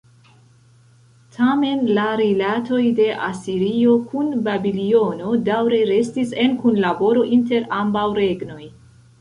Tamen, la rilatoj de Asirio kun Babilono, daŭre restis en kunlaboro inter ambaŭ regnoj.